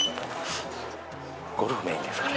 ゴルフメインですから。